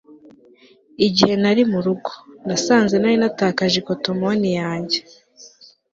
igihe nari mu rugo, nasanze nari natakaje ikotomoni yanjye